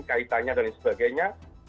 kaitannya dan sebagainya